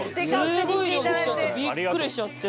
すごい量で来ちゃってびっくりしちゃって。